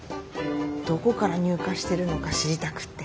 どこから入荷してるのか知りたくって。